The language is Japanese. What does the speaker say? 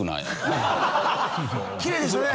きれいでしたね！